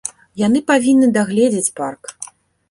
Яны павінны дагледзець парк!